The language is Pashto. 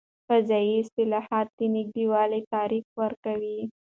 فضايي اصطلاحات د نږدې والي تعریف ورکوي.